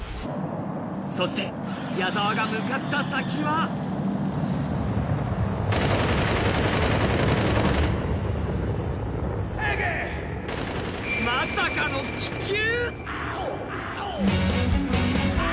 そして矢沢が向かった先はまさかの気球！